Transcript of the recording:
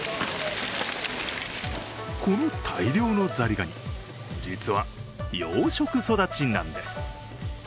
この大量のザリガニ実は養殖育ちなんです。